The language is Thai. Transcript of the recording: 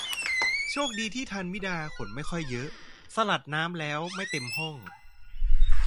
โชคดีที่ทันมิดาขนไม่ค่อยเยอะ สลัดน้ำแล้วไม่เต็มห้อง